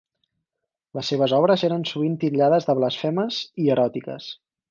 Les seves obres eren sovint titllades de blasfemes i eròtiques.